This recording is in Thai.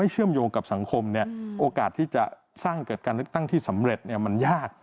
เชื่อมโยงกับสังคมโอกาสที่จะสร้างเกิดการเลือกตั้งที่สำเร็จมันยาก